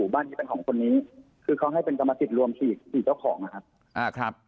บ้านนี้เป็นของคนนี้คือเขาให้เป็นกรรมสิทธิ์รวมฉีดเจ้าของนะครับ